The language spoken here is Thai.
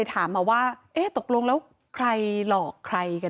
เอาง่ายญาติเขาเป็นมิจฉาชีพค่ะ